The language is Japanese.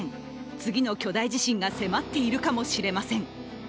次の巨大地震が迫っているかもしれません。